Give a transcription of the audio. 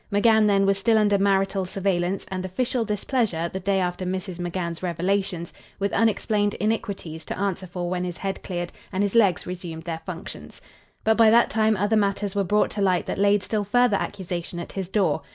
McGann then was still under marital surveillance and official displeasure the day after Mrs. McGann's revelations, with unexplained iniquities to answer for when his head cleared and his legs resumed their functions. But by that time other matters were brought to light that laid still further accusation at his door.